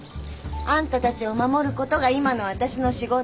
あんたたちを守ることが今の私の仕事。